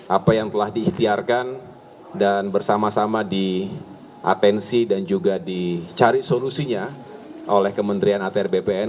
apa yang telah diikhtiarkan dan bersama sama di atensi dan juga dicari solusinya oleh kementerian atr bpn